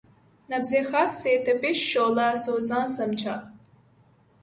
نبضِ خس سے تپشِ شعلہٴ سوزاں سمجھا